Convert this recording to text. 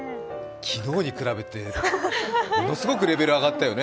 昨日に比べてものすごくレベル上がったよね。